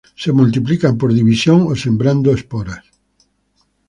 Se multiplican por división o sembrando esporas.